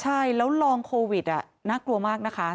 ใช่แล้วลองโควิดน่ากลัวมากนะคะ